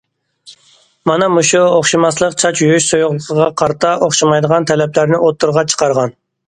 مانا مۇشۇ ئوخشىماسلىق چاچ يۇيۇش سۇيۇقلۇقىغا قارىتا ئوخشىمايدىغان تەلەپلەرنى ئوتتۇرىغا چىقارغان.